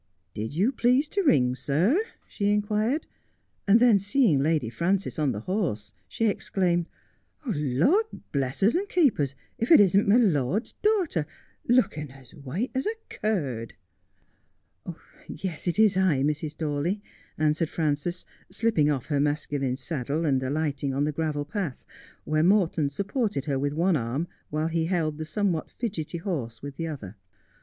'Did you please to ring, sir? 'she inquired, and then seeing Lady Frances on the horse, she exclaimed, ' Lord bless us and keep us, if it isn't my lord's daughter, looking as white as a curd !'' Yes, it is I, Mrs. Dawley,' answered Frances, slipping off her masculine saddle, and alighting on the gravel path, where Mor ton supported her with one arm while he held the somewhat fidgety horse with the other.